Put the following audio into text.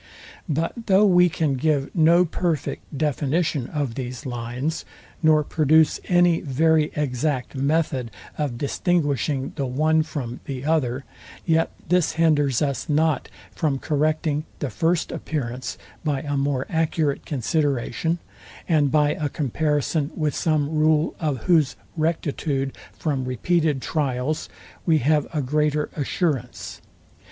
But though we can give no perfect definition of these lines, nor produce any very exact method of distinguishing the one from the other; yet this hinders us not from correcting the first appearance by a more accurate consideration, and by a comparison with some rule, of whose rectitude from repeated trials we have a greater assurance.